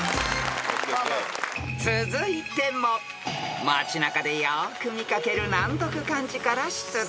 ［続いても街中でよく見掛ける難読漢字から出題］